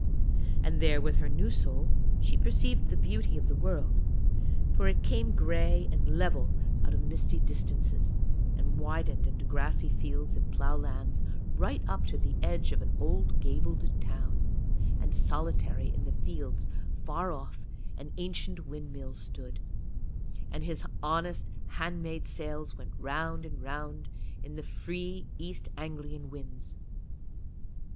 And there with her new soul she perceived the beauty of the world; for it came grey and level out of misty distances, and widened into grassy fields and ploughlands right up to the edge of an old gabled town; and solitary in the fields far off an ancient windmill stood, and his honest hand made sails went round and round in the free East Anglian winds.